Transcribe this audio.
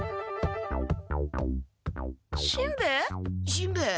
しんべヱ？